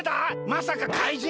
まさか怪人？